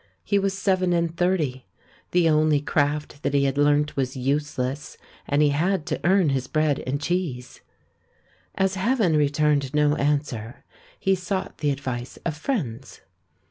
He was seven and thirty; the only craft that he had learnt was useless ; and he had to earn his bread and cheese. As Heaven returned no answer, he sought the advice of friends.